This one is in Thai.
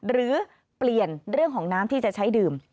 หรือเปลี่ยนเรื่องของน้ำที่จะใช้ดื่ม